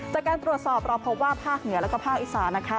จากการตรวจสอบเราพบว่าภาคเหนือแล้วก็ภาคอีสานนะคะ